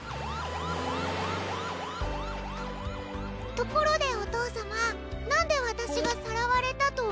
ところでおとうさまなんでわたしがさらわれたとおもったの？